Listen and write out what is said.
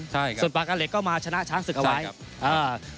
จากปากาเหล็กก็มาชนะชั้นศิลป์เอาไว้ครับใช่ครับ